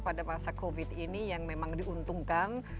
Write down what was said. pada masa covid ini yang memang diuntungkan